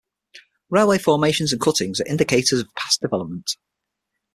Railway formations and cuttings are indicators of past development.